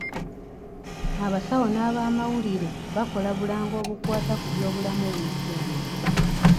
Abasawo n'abamawulire bakola bulango obukwata ku by'obulamu wiiki eno.